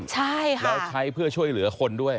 ใช่ค่ะแล้วใช้เพื่อช่วยเหลือคนด้วย